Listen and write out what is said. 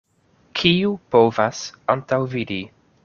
Kiu povas antaŭvidi!